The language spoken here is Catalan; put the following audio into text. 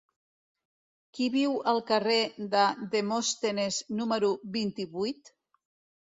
Qui viu al carrer de Demòstenes número vint-i-vuit?